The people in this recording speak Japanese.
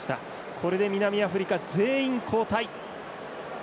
これで南アフリカ、全員交代。